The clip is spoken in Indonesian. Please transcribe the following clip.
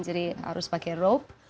jadi harus pakai rope